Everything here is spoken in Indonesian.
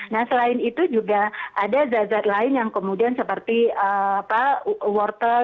nah selain itu juga ada zat zat lain yang kemudian seperti wortel